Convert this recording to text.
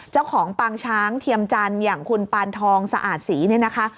ปางช้างเทียมจันทร์อย่างคุณปานทองสะอาดศรีเนี่ยนะคะ